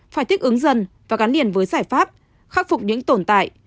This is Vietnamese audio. phải thích ứng dần và gắn liền với giải pháp khắc phục những tồn tại